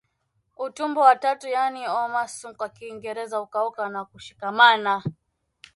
Utumbo wa tatu yaani omasum kwa Kiingereza hukauka na kushikamana